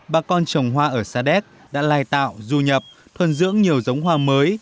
bà con trồng hoa ở sa đéc đã lai tạo du nhập thuần dưỡng nhiều giống hoa mới